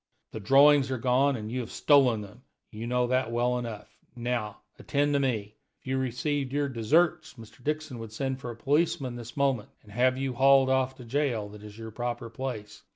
"The drawings are gone, and you have stolen them; you know that well enough. Now attend to me. If you received your deserts, Mr. Dixon would send for a policeman this moment, and have you hauled off to the jail that is your proper place.